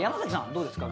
どうですか？